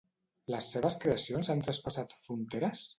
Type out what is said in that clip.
Les seves creacions han traspassat fronteres?